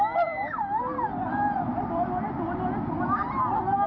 นี่